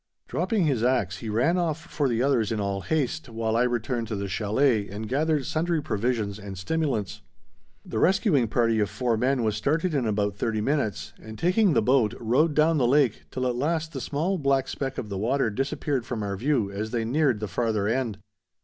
Dropping his axe, he ran off for the others in all haste, while I returned to the chalet and gathered sundry provisions and stimulants. The rescuing party of four men was started in about thirty minutes, and taking the boat, rowed down the lake, till at last the small black speck on the water disappeared from our view as they neared the farther end.